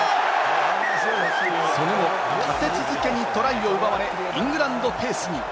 その後、立て続けにトライを奪われ、イングランドペースに。